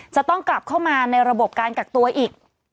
จะต้องกลับเข้ามาในระบบการกักตัวอีก